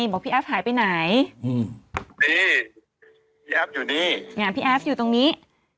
บอกพี่แอฟหายไปไหนอืมนี่พี่แอฟอยู่นี่พี่แอฟอยู่ตรงนี้